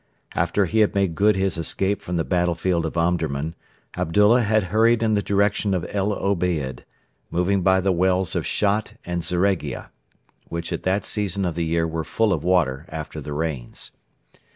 After he had made good his escape from the battlefield of Omdurman, Abdullah had hurried in the direction of El Obeid, moving by the wells of Shat and Zeregia, which at that season of the year were full of water after the rains.